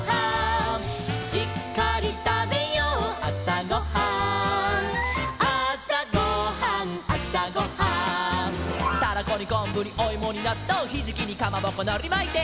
「しっかりたべようあさごはん」「あさごはんあさごはん」「タラコにこんぶにおいもになっとう」「ひじきにかまぼこのりまいて」